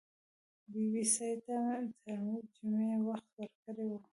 بي بي سي ته تر جمعې وخت ورکړی وو